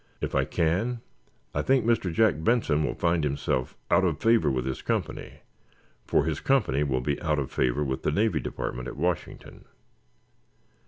"If I can, I think Mr. Jack Benson will find himself out of favor with his company, for his company will be out of favor with the Navy Department at Washington!"